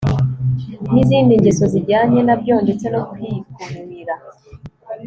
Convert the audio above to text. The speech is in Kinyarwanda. n'izindi ngeso zijyanye nabyo ndetse no kwikubira